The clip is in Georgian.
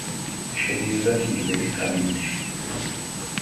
შედიოდა ჰიტლერის კაბინეტში.